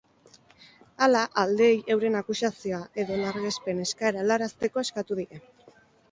Hala, aldeei euren akusazioa edo largespen eskaera helarazteko eskatu die.